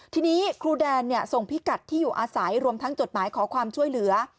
ทีนี้ครูแดนส่งพิกัดที่อยู่อาศัยรวมทั้งจดหมายขอความช่วยเหลือ